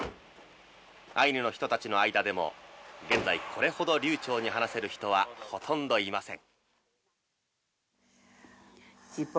アイヌの人たちの間でも現在、これほど流暢に話せる人はほとんどいません。